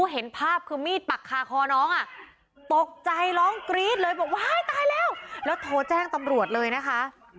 เห็นภาพคือมีดปักคาคอน้องอ่ะตกใจร้องกรี๊ดเลยบอกว่าตายแล้วแล้วโทรแจ้งตำรวจเลยนะคะ